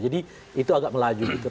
jadi itu agak melaju gitu